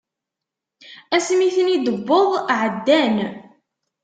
Ass mi ten-id-wweḍ ɛeddan.